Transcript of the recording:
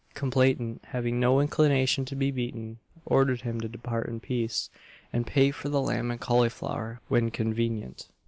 Complainant having no inclination to be beaten, ordered him to depart in peace, and pay for the lamb and cauliflower when convenient.